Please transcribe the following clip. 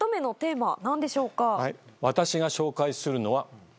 私が紹介するのは。